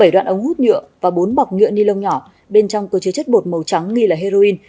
bảy đoạn ống hút nhựa và bốn bọc nhựa ni lông nhỏ bên trong có chứa chất bột màu trắng nghi là heroin